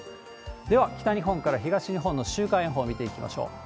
では、北日本から東日本の週間予報、見ていきましょう。